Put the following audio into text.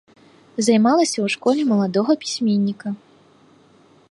Займалася ў школе маладога пісьменніка.